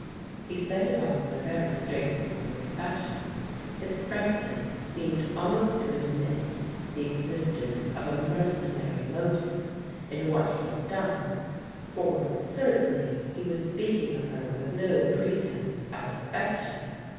He said it all in a very straightforward fashion. His frankness seemed almost to admit the^existence of a mercenary motive in what he had done, for certainly he was speaking of her with no pretense of affection.